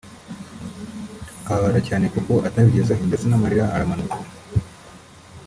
ababara cyane kuko atabigezeho ndetse n’amarira aramanuka